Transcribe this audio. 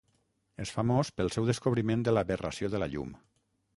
És famós pel seu descobriment de l'aberració de la llum.